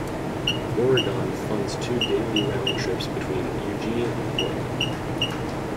Oregon funds two daily round trips between Eugene and Portland.